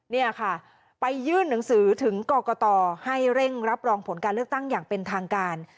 นี่ค่ะไปยื่นหนังสือถึงกรกตให้เร่งรับรองผลการเลือกตั้งอย่างเป็นทางการ